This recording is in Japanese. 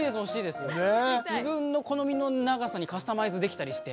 自分の好みの長さにカスタマイズできたりして。